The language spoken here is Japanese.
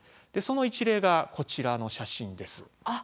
その一例が、こちらの写真です。